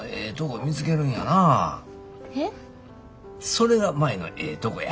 それが舞のええとこや。